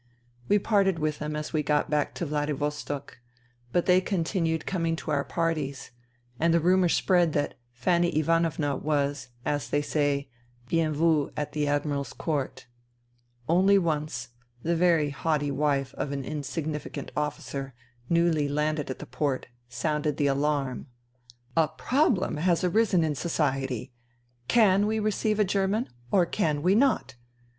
We parted with them as we got back to Vladi vostok ; but they continued coming to our parties ; and the rumour spread that Fanny Ivanovna was, as they say. Men vue at the Admiral's " Court." Only once, the very haughty wife of an insignificant officer, newly landed at the port, sounded the alarm :*' A Problem has arisen in Society ! Can we receive a German, or can we not